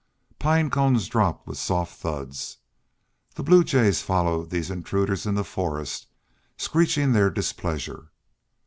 Pine cones dropped with soft thuds. The blue jays followed these intruders in the forest, screeching their displeasure.